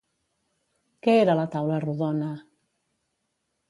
Què era la Taula Rodona?